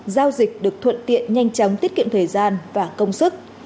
giao dịch được thuận tiện nhanh chóng tiết kiệm thời gian và công sức